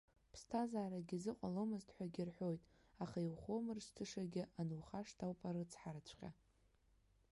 Ԥсҭазаарагьы зыҟаломызт ҳәагьы рҳәоит, аха иухоумыршҭышагьы анухашҭ ауп арыцҳараҵәҟьа.